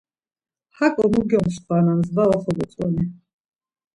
Haǩo mu gyomskvanams var oxobotzoni.